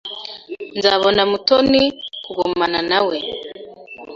Nzabona Mutoni kugumana nawe.